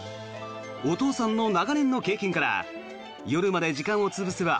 お父さんの長年の経験から夜まで時間を潰せば